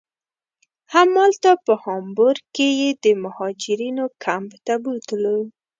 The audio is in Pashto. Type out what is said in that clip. همالته په هامبورګ کې یې د مهاجرینو کمپ ته بوتلو.